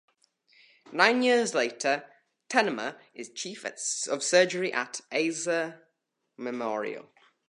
Nine years later, Tenma is Chief of Surgery at Eisler Memorial.